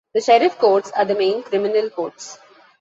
The sheriff courts are the main criminal courts.